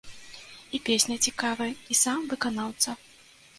І песня цікавая, і сам выканаўца.